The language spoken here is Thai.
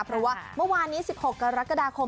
เพราะว่าเมื่อวานนี้๑๖กรกฎาคม